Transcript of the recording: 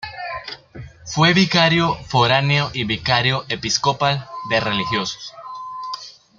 Fue Vicario foráneo y Vicario Episcopal de Religiosos.